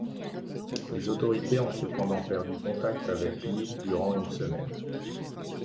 Les autorités ont cependant perdu contact avec l’île durant une semaine.